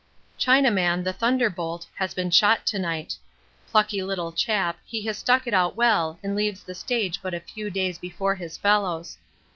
Chinaman, 'The Thunderbolt,' has been shot to night. Plucky little chap, he has stuck it out well and leaves the stage but a few days before his fellows.